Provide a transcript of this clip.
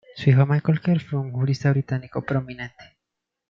Su hijo Michael Kerr fue un jurista británico prominente.